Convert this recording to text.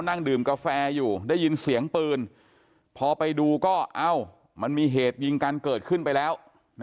นั่งดื่มกาแฟอยู่ได้ยินเสียงปืนพอไปดูก็เอ้ามันมีเหตุยิงกันเกิดขึ้นไปแล้ว